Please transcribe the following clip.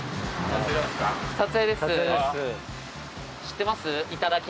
撮影です。